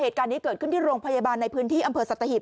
เหตุการณ์นี้เกิดขึ้นที่โรงพยาบาลในพื้นที่อำเภอสัตหิบ